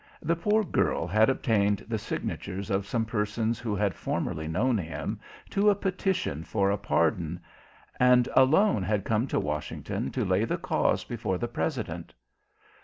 The poor girl had obtained the signatures of some persons who had formerly known him, to a petition for a pardon, and alone had come to Washington to lay the case before the President.